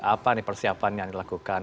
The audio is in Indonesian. apa nih persiapan yang dilakukan